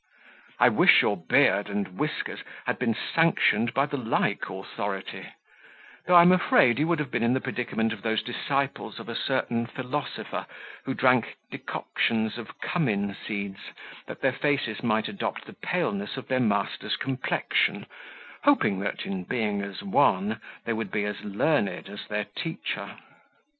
I wish your beard and whiskers had been sanctioned by the like authority; though I am afraid you would have been in the predicament of those disciples of a certain philosopher, who drank decoctions of cummin seeds, that their faces might adopt the paleness of their master's complexion, hoping that, in being as wan, they would be as learned as their teacher."